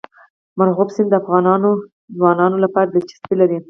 مورغاب سیند د افغان ځوانانو لپاره دلچسپي لري.